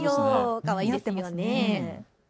かわいいですよね。